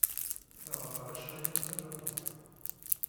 Thedder acemma kan tajapunit